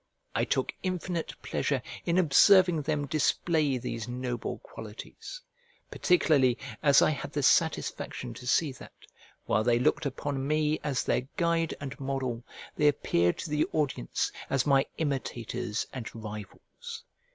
I took infinite pleasure in observing them display these noble qualities; particularly as I had the satisfaction to see that, while they looked upon me as their guide and model, they appeared to the audience as my imitators and rivals.